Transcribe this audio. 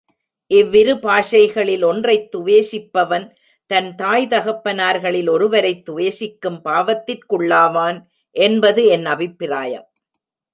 இவ்விரு பாஷைகளில் ஒன்றைத் துவேஷிப்பவன், தன் தாய் தகப்பனார்களில் ஒருவரைத் துவேஷிக்கும் பாவத்திற்குள்ளாவான் என்பது என் அபிப்பிராயம்.